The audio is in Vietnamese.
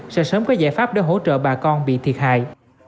sẽ sớm có giải pháp để hỗ trợ bà con bị thiệt hại